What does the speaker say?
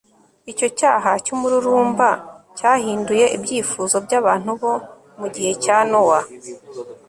icyo cyaha cy'umururumba cyahinduye ibyifuzo by'abantu bo mu gihe cya nowa